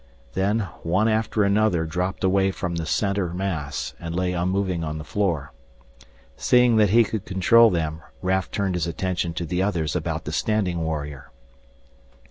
Then one after another dropped away from the center mass and lay unmoving on the floor. Seeing that he could control them, Raf turned his attention to the others about the standing warrior.